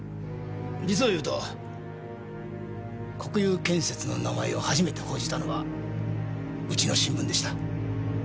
実を言うと国裕建設の名前を初めて報じたのはうちの新聞でした。